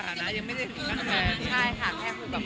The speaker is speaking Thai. ตอนนั้นก็พี่เขาบอกสนิกกันก็เราก็สนิกกัน